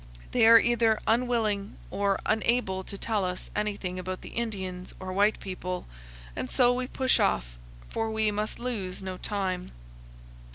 They are either unwilling or unable to tell us anything about the Indians or white people, and so we push off, for we must lose no time.